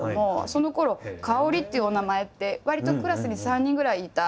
そのころ「かおり」っていうお名前ってわりとクラスに３人ぐらいいた。